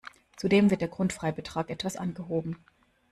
Zudem wird der Grundfreibetrag etwas angehoben.